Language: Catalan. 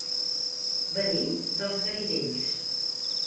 Venim dels Garidells.